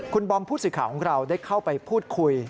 คุณบอมพุศิขาของเราได้เข้าไปพูดคุย